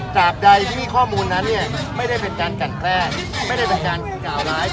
กราบใดที่มีข้อมูลนั้นเนี่ยไม่ได้เป็นการกันแคล้ไม่ได้เป็นการกล่าวร้ายคนอื่นนะครับ